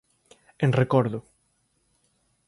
En recordo